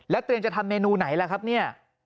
เตรียมจะทำเมนูไหนล่ะครับเนี่ย